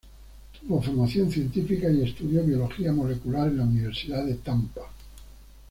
Tuvo formación científica y estudió biología molecular en la Universidad de Tampa.